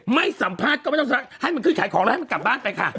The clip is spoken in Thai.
ไม่สัมภาษณ์ก็ไม่ต้องให้มันขึ้นขายของแล้วให้มันกลับบ้านไปค่ะ